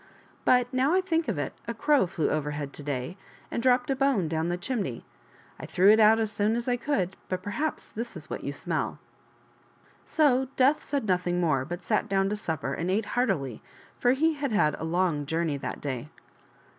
But now I think of it, a crow flew overhead to day, and dropped a bone down the chimney. I threw it out as soon as I could, but perhaps that is what you smell." PRINCESS GOLDEN HAIR AND THE GREAT BLACK RAVEN. 73 So Death said nothing more, but sat down to supper and ate heartily, for he had had a long journey that day.